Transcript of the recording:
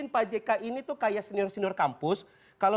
pak ya precosh